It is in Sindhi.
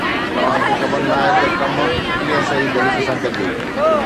توهان کي خبر ناهي ته ڪم ڪيئن صحيح طريقي سان ڪجي